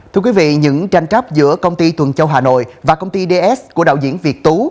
thưa quý vị những tranh chấp giữa công ty tuần châu hà nội và công ty ds của đạo diễn việt tú